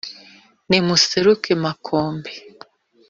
nimuseruke makombe